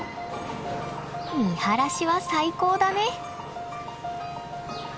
見晴らしは最高だね。